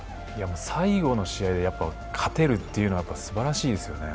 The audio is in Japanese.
最後の試合で勝てるっていうのはすばらしいですよね。